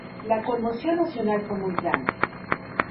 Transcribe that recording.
La conmoción nacional fue muy grande.